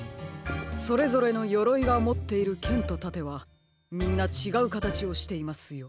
それぞれのよろいがもっているけんとたてはみんなちがうかたちをしていますよ。